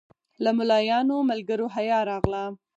له ملایانو ملګرو حیا راغله.